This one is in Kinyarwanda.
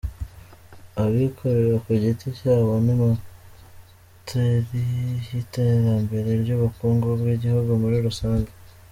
Abikorera ku giti cyabo ni moteri y’iterambere ry’ubukungu bw’igihugu muri rusange.